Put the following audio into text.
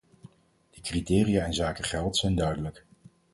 De criteria inzake geld zijn duidelijk.